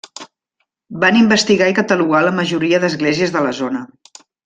Van investigar i catalogar la majoria d'esglésies de la zona.